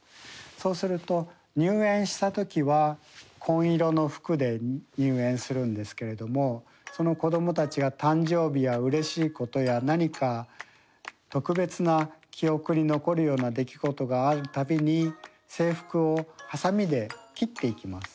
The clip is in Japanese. そうすると入園した時は紺色の服で入園するんですけれどもその子どもたちが誕生日やうれしいことや何か特別な記憶に残るような出来事がある度に制服をハサミで切っていきます。